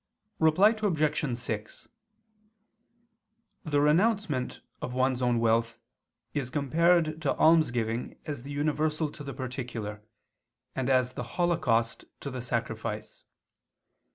Reply Obj. 6: The renouncement of one's own wealth is compared to almsgiving as the universal to the particular, and as the holocaust to the sacrifice.